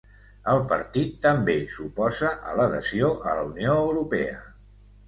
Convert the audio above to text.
El partit també s'oposa a l'adhesió a la Unió Europea.